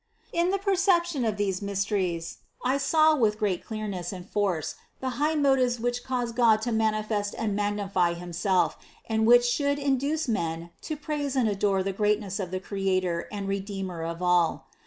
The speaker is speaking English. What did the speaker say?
49. In the perception of these mysteries I saw with great clearness and force the high motives which caused God to manifest and magnify Himself and which should induce men to praise and adore the greatness of the Cre ator and Redeemer of all.